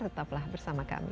tetaplah bersama kami